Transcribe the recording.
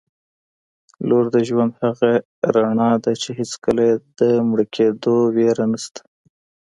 لور د ژوند هغه رڼا ده چي هیڅکله یې د مړ کيدو وېره نسته.